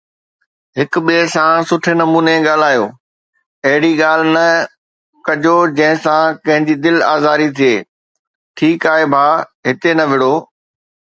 هڪ ٻئي سان سٺي نموني ڳالهايو، اهڙي ڳالهه نه ڪجو جنهن سان ڪنهن جي دل آزاري ٿئي، ٺيڪ آهي ڀاءُ هتي نه وڙهو.